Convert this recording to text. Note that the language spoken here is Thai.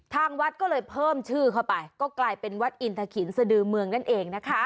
ทางวัดก็เลยเพิ่มชื่อเข้าไปก็กลายเป็นวัดอินทะขินสดือเมืองนั่นเองนะคะ